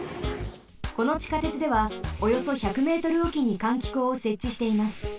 このちかてつではおよそ１００メートルおきに換気口をせっちしています。